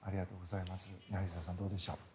柳澤さん、どうでしょう。